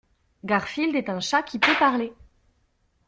Garfield est un chat qui peut parler.